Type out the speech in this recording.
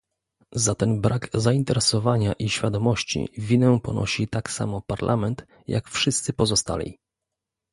Za ten brak zainteresowania i świadomości winę ponosi tak samo Parlament, jak wszyscy pozostali